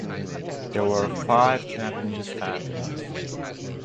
There were five Japanese families.